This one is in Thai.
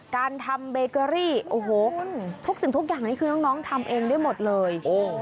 การทำเบเกอรี่โอ้โหทุกสิ่งทุกอย่างนี้คือน้องทำเองได้หมดเลย